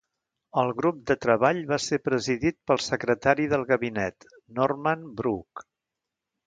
El grup de treball va ser presidit pel secretari del gabinet, Norman Brook.